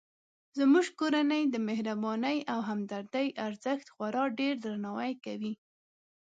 زموږ کورنۍ د مهربانۍ او همدردۍ ارزښت خورا ډیردرناوی کوي